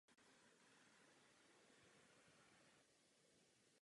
Mají krátké listy.